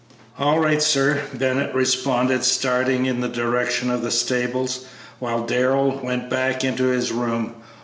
"All right, sir," Bennett responded, starting in the direction of the stables, while Darrell went back into his room.